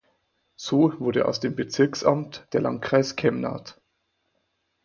So wurde aus dem Bezirksamt der Landkreis Kemnath.